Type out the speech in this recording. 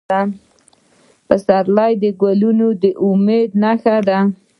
د پسرلي ګلونه د امید نښه ده.